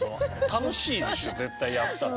楽しいでしょ絶対やったら。